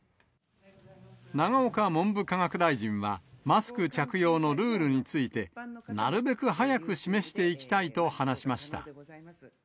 永岡文部科学大臣は、マスク着用のルールについて、なるべく早く示していきたいと話しました。